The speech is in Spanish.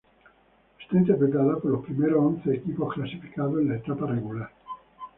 Estará integrada por los primeros once equipos clasificados en la etapa regular.